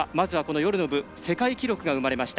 夜の部、世界記録が生まれました。